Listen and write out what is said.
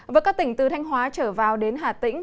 với các tỉnh từ thanh hóa trở vào đến hà tĩnh